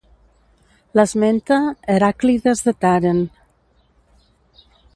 L'esmenta Heràclides de Tàrent.